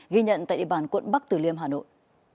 ghi nhận tại địa bàn quận bắc tử liêm hà nội